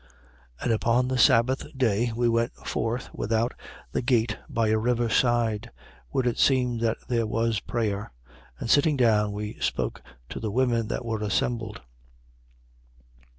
16:13. And upon the Sabbath day, we went forth without the gate by a river side, where it seemed that there was prayer: and sitting down, we spoke to the women that were assembled.